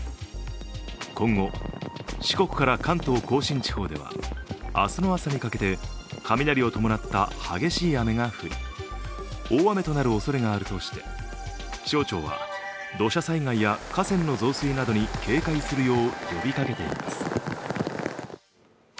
今後、四国から関東甲信地方では明日の朝にかけて雷を伴った激しい雨が降り、大雨となるおそれがあるとして気象庁は、土砂災害や河川の増水などに警戒するよう呼びかけています。